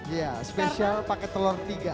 iya spesial pakai telur tiga